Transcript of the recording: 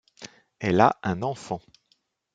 Elle a un enfant.